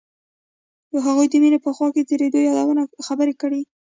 هغوی د مینه په خوا کې تیرو یادونو خبرې کړې.